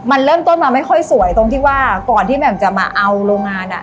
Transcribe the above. มันเริ่มต้นมาไม่ค่อยสวยตรงที่ว่าก่อนที่แหม่มจะมาเอาโรงงานอ่ะ